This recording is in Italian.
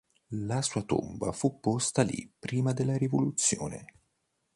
La sua tomba fu posta lì prima della rivoluzione.